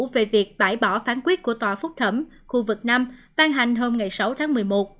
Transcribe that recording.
về việc bãi bỏ phán quyết của tòa phúc thẩm khu vực năm ban hành hôm ngày sáu tháng một mươi một